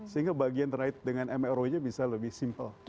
sehingga bagian terkait dengan mro nya bisa lebih simple